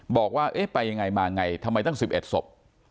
บอกว่าเอ๊ะไปยังไงมาไงทำไมตั้ง๑๑ศพ